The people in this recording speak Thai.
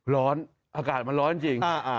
อากาศมันร้อนจริง